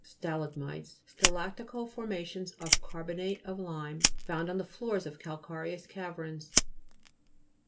STALA'GMITES Stalactical forma tions of carbonate of lime, found on the floors of calcareous caverns.